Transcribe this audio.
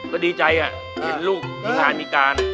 ก็ดีใจเห็นลูกมีงานมีการ